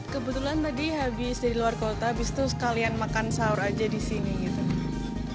kebetulan tadi habis dari luar kota habis itu sekalian makan sahur aja di sini gitu